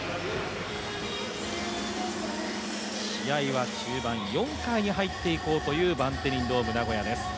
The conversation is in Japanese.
試合は中盤４回に入っていこうというバンテリンドームナゴヤです。